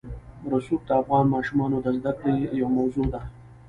رسوب د افغان ماشومانو د زده کړې یوه موضوع ده.